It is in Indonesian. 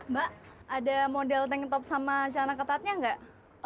mbak ada model tank top sama celana ketatnya nggak